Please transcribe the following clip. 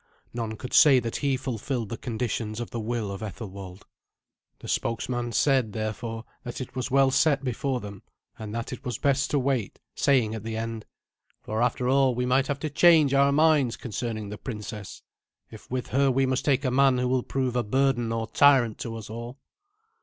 None could say that he fulfilled the conditions of the will of Ethelwald. The spokesman said, therefore, that it was well set before them, and that it was best to wait, saying at the end, "For, after all, we might have to change our minds concerning the princess, if with her we must take a man who will prove a burden or tyrant to us all."